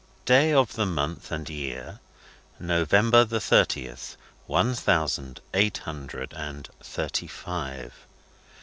Day of the month and year, November the thirtieth, one thousand eight hundred and thirty five.